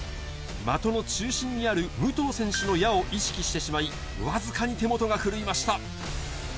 的の中心にある武藤選手の矢を意識してしまい、僅かに手元が狂いました。